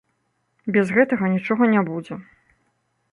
Без гэтага нічога не будзе.